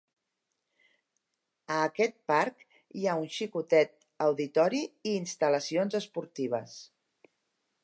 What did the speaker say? A aquest parc hi ha un xicotet auditori i instal·lacions esportives.